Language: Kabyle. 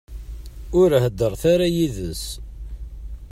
Ur heddṛet ara yid-s.